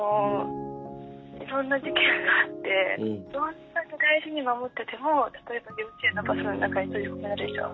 いろんな事件があってどんなに大事に守ってても例えば幼稚園のバスの中に閉じ込められちゃう。